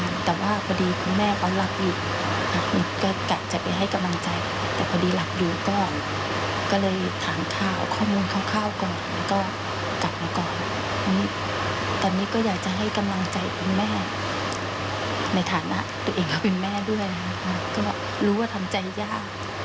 ในฐานะตัวเองก็เป็นแม่ด้วยนะคะก็รู้ว่าทำใจยาก